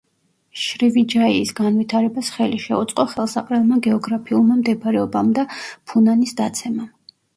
შრივიჯაიის განვითარებას ხელი შეუწყო ხელსაყრელმა გეოგრაფიულმა მდებარეობამ და ფუნანის დაცემამ.